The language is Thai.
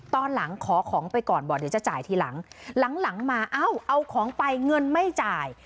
ตอนหลังขอของไปก่อนบอกเดี๋ยวจะจ่ายทีหลังหลังมาเอ้าเอาของไปเงินไม่จ่าย